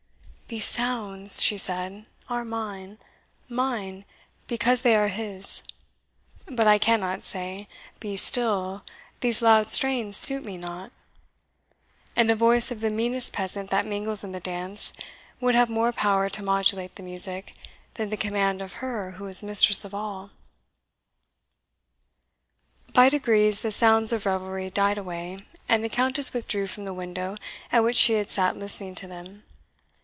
"These sounds," she said, "are mine mine, because they are HIS; but I cannot say, Be still, these loud strains suit me not; and the voice of the meanest peasant that mingles in the dance would have more power to modulate the music than the command of her who is mistress of all." By degrees the sounds of revelry died away, and the Countess withdrew from the window at which she had sat listening to them.